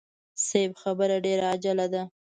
صيب خبره ډېره عاجله ده.